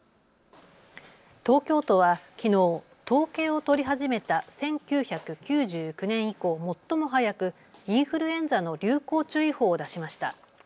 東京都はきのう、統計を取り始めた１９９９年以降、最も早くインフルエンザの流行注意報を出しました。